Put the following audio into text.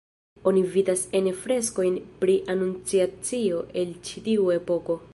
Oni vidas ene freskojn pri anunciacio el ĉi tiu epoko.